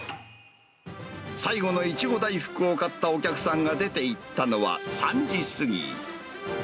最後の苺大福を買ったお客さんが出て行ったのは３時過ぎ。